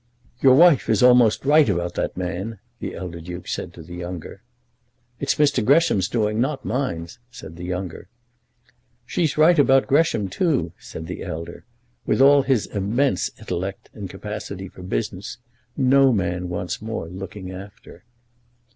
"Your wife is almost right about that man," the elder Duke said to the younger. "It's Mr. Gresham's doing, not mine," said the younger. "She is right about Gresham, too," said the elder. "With all his immense intellect and capacity for business no man wants more looking after."